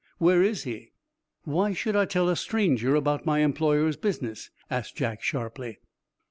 Where is he?" "Why should I tell a stranger about my employer's business?" asked Jack sharply.